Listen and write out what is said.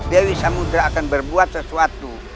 dewi samudera akan berbuat sesuatu